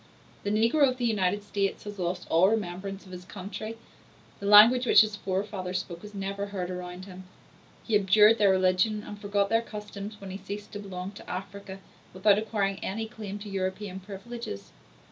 The negro of the United States has lost all remembrance of his country; the language which his forefathers spoke is never heard around him; he abjured their religion and forgot their customs when he ceased to belong to Africa, without acquiring any claim to European privileges.